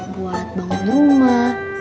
buat bangun rumah